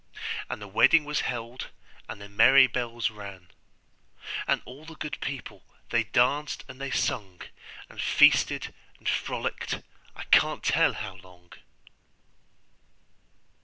And the wedding was held, and the merry bells run. And all the good people they danced and they sung, And feasted and frolick'd I can't tell how long.